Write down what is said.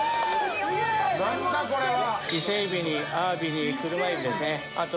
何だ⁉これは。